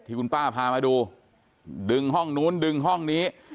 ที่คุณป้าพามาดูดึงห้องนู้นดึงห้องนี้